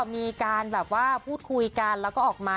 มีการพูดคุยกันและออกมา